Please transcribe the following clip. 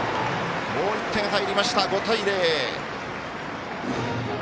もう１点入りました、５対０。